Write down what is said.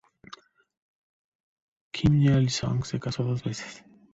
Kim Il-sung se casó dos veces.